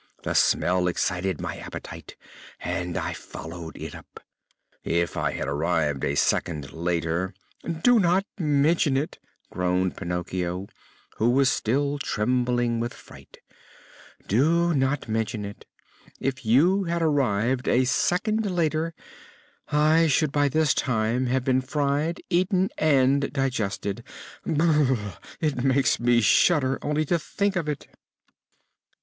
The smell excited my appetite and I followed it up. If I had arrived a second later " "Do not mention it!" groaned Pinocchio, who was still trembling with fright. "Do not mention it! If you had arrived a second later I should by this time have been fried, eaten and digested. Brrr! It makes me shudder only to think of it!"